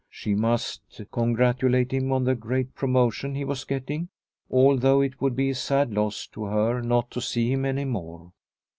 She must congratulate him on the great pro motion he was getting, although it would be a sad loss to her not to see him any more.